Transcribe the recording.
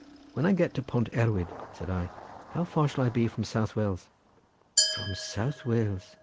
"When I get to Pont Erwyd," said I, "how far shall I be from South Wales?" "From South Wales!"